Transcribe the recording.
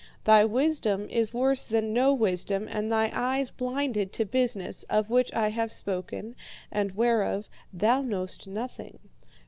Thy wisdom is worse than no wisdom and thine eyes blinded to business, of which I have spoken and whereof thou knowest nothing.